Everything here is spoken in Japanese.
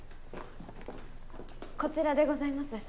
こちらでございます。